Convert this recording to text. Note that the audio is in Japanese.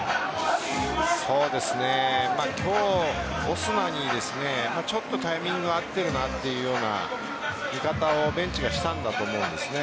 そうですね、今日オスナにちょっとタイミングが合っているなというような見方をベンチがしたんだと思うんですね。